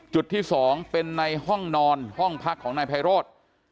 จุดที่๒เป็นในห้องนอนห้องพักของนายไพโรธ